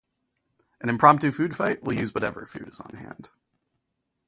An impromptu food fight will use whatever food is on hand.